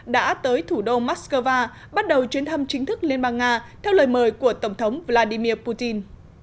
đã tới thủ đô moscow bắt đầu chuyến thăm chính thức liên bang nga theo lời mời của tổng thống vladimir putin